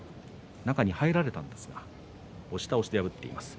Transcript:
中に入られましたが押し倒しで破っています。